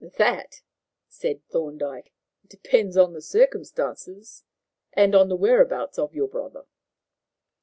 "That," said Thorndyke, "depends on the circumstances and on the whereabouts of your brother."